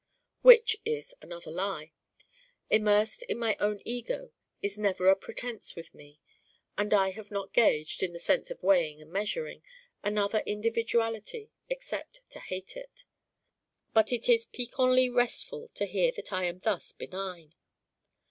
Which is another lie. Immersed in my own ego is never a pretense with me, and I have not gauged in the sense of weighing and measuring another individuality except to hate it. But it is piquantly restful to hear that I am thus benign.